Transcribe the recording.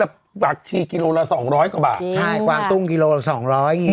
ละบางชีกิโลละสองร้อยกว่าบาทพี่คือยูอ์บางตรรวจสองร้อย